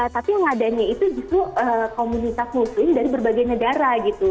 tapi yang ngadanya itu justru komunitas muslim dari berbagai negara gitu